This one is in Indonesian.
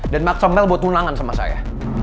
dan maksa mel buat tunangan sama saya